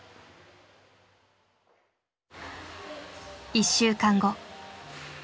１週間後。